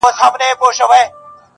چي هر ځای به څو مرغان سره جرګه سوه.!